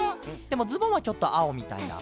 でもズボンはちょっとあおみたいな。